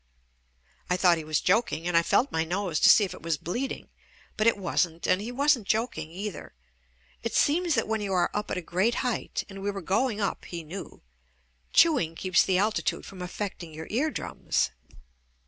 I thought he was joking and I felt my nose to see if it was bleeding, but it wasn't and he wasn't joking either. It seems that when you are up at a great height, and we were going up he knew, chewing keeps the alti JUST ME tude from affecting your ear drums.